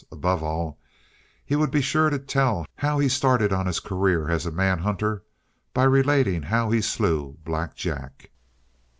Above all, he would be sure to tell how he had started on his career as a manhunter by relating how he slew Black Jack.